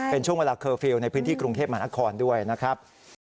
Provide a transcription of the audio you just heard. เป็นช่วงเวลาเคอร์ฟิลล์ในพื้นที่กรุงเทพมหานครด้วยนะครับ